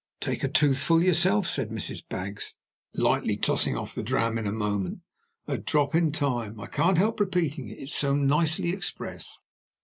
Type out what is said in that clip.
"Take a toothful yourself," said Mrs. Baggs, lightly tossing off the dram in a moment. "'A drop in time' I can't help repeating it, it's so nicely expressed.